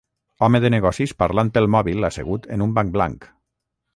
Home de negocis parlant pel mòbil assegut en un banc blanc.